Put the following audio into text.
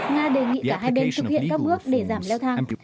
nga đề nghị cả hai bên thực hiện các bước để giảm leo thang